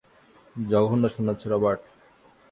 জঘন্য শোনাচ্ছে, রবার্ট।